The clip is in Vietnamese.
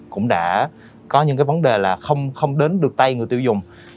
cũng đã có những cái vấn đề là không đến được tay người tiêu dùng